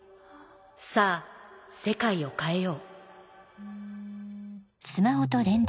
さぁ世界を変えよう。